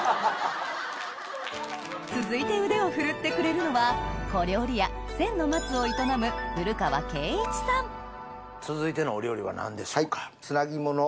続いて腕を振るってくれるのは小料理屋続いてのお料理は何でしょうか？